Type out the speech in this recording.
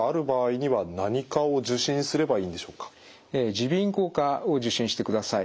耳鼻咽喉科を受診してください。